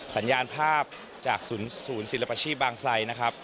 สัญญาณภาพจากศูนย์ศูนย์ศิลปาชิบาลังไซพรรค